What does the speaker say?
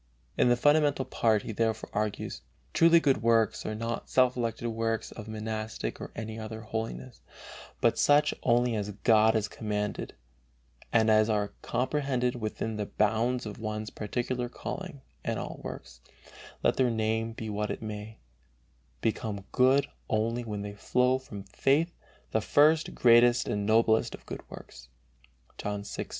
In the fundamental part he therefore argues: "Truly good works are not self elected works of monastic or any other holiness, but such only as God has commanded, and as are comprehended within the bounds of one's particular calling, and all works, let their name be what it may, become good only when they flow from faith, the first, greatest, and noblest of good works." (John 6:29.)